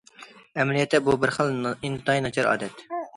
ئەمەلىيەتتە بۇ بىر خىل ئىنتايىن ناچار ئادەت.